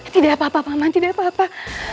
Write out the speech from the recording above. tidak apa apa paman tidak apa apa